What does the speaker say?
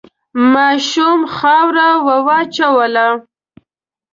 ماشوم خاوره وواچوله.